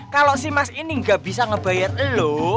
kalau si mas ini gak bisa ngebayar lu